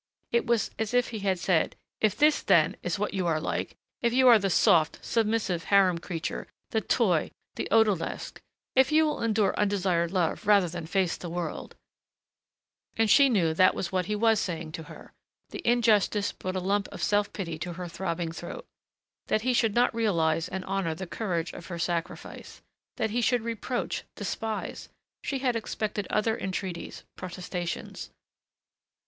It was as if he had said, "If this, then, is what you are like! If you are the soft, submissive harem creature, the toy, the odalisque If you will endure undesired love rather than face the world " And she knew that was what he was saying to her. The injustice brought a lump of self pity to her throbbing throat.... That he should not realize and honor the courage of her sacrifice.... That he should reproach, despise.... She had expected other entreaties ... protestations....